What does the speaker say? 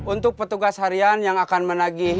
untuk petugas harian yang akan menagih